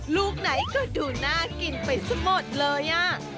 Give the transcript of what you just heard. ลูกไหนก็ดูน่ากินไปซะหมดเลยอ่ะ